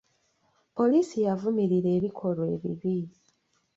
Poliisi yavumirira ebikolwa ebibi.